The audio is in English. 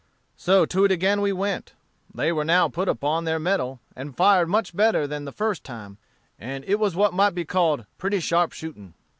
"So to it again we went. They were now put upon their mettle, and they fired much better than the first time; and it was what might be called pretty sharp shooting.